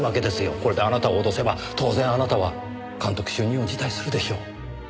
これであなたを脅せば当然あなたは監督就任を辞退するでしょう。